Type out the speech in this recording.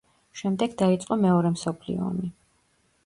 შემდეგ დაიწყო მეორე მსოფლიო ომი.